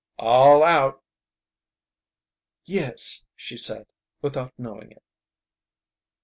"All out!" "Yes," she said, without knowing it.